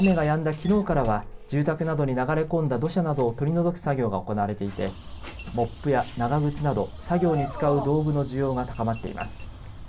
きのうからは住宅などに流れ込んだ土砂などを取り除く作業が行われていてモップや長靴など作業に使う道具の需要が高まっています。